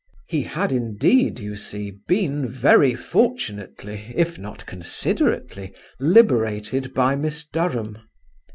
He had, indeed, you see, been very fortunately, if not considerately, liberated by Miss Durham.